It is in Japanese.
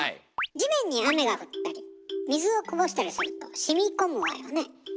地面に雨が降ったり水をこぼしたりするとしみこむわよね。